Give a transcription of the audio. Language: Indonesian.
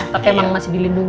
tapi emang masih dilindungi